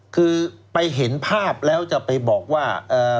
คือไปเห็นภาพแล้วจะไปบอกว่า